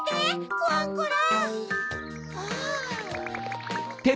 コアンコラ！